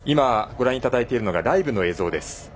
今、ご覧いただいているのがライブの映像です。